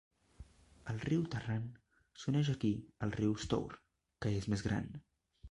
El riu Tarrant s'uneix aquí al riu Stour, que és més gran.